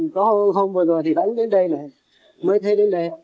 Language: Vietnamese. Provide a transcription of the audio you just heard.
có hôm vừa rồi thì vẫn đến đây